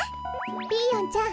ピーヨンちゃん